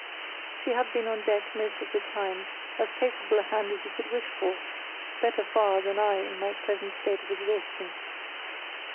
(She had been on deck most of the time, as capable a hand as you could wish for, better far than I in my present state of exhaustion.)